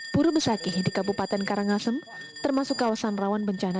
pura busakih di kabupaten karangasem termasuk kawasan rawan bencana